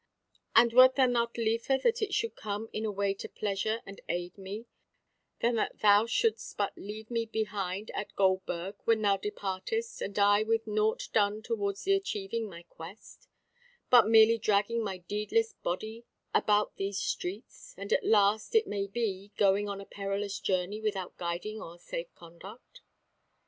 And wert thou not liefer that it should come in a way to pleasure and aid me, than that thou shouldst but leave me behind at Goldburg when thou departest: and I with naught done toward the achieving my quest, but merely dragging my deedless body about these streets; and at last, it may be, going on a perilous journey without guiding or safe conduct?"